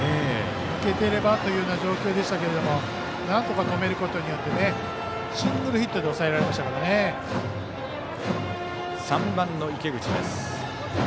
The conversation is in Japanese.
抜けていればというような状況でしたがなんとか止めることによってシングルヒットでバッター、３番の池口です。